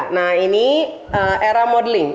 nah ini era modeling